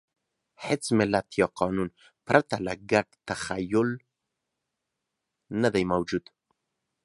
هېڅ ملت یا قانون پرته له ګډ تخیل نهدی موجود.